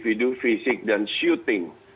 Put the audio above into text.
yaitu individu fisik dan shooting